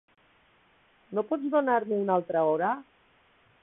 No pots donar-me una altra hora?